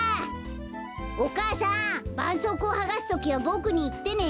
お母さんばんそうこうをはがすときはボクにいってね。